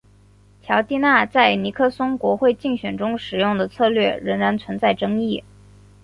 乔蒂纳在尼克松国会竞选中使用的策略仍然存在争议。